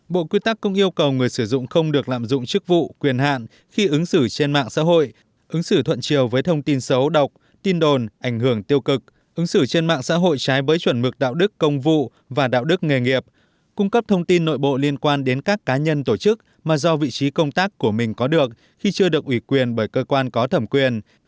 bộ quy tắc cũng yêu cầu người sử dụng không được lạm dụng chức vụ quyền hạn khi ứng xử trên mạng xã hội ứng xử thuận chiều với thông tin xấu độc tin đồn ảnh hưởng tiêu cực ứng xử trên mạng xã hội trái bới chuẩn mực đạo đức công vụ và đạo đức nghề nghiệp cung cấp thông tin nội bộ liên quan đến các cá nhân tổ chức mà do vị trí công tác của mình có được khi chưa được ủy quyền bởi cơ quan có thẩm quyền